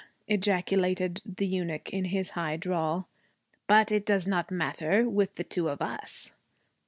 ejaculated the eunuch in his high drawl. 'But it does not matter with the two of us.'